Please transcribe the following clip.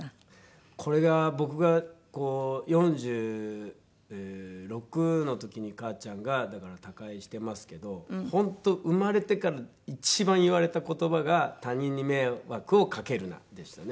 これが僕が４６の時に母ちゃんがだから他界してますけど本当生まれてから一番言われた言葉が「他人に迷惑をかけるな」でしたね。